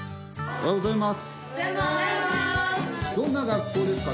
おはようございます。